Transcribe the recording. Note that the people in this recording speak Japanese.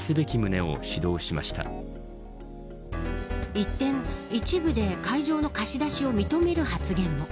一転、一部で会場の貸し出しを認める発言も。